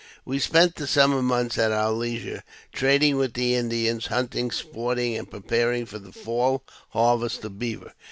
We spent the summer months at our leisure, trading with, the Indians, hunting, sporting, and preparing for the fall harvest of beaver.